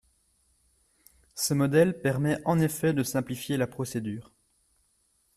Ce modèle permet en effet de simplifier la procédure.